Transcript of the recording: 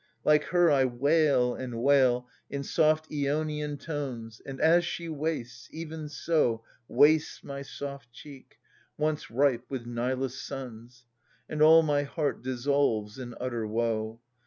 Like her I wail and wail, in soft Ionian tones, Qg And as she wastes, even so Wastes my soft cheek, once ripe with Nilus' suns, And all my heart dissolves in utter woe.